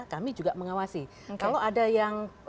kami juga mengawasi kalau ada yang